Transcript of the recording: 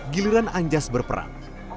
giliran anjas berperang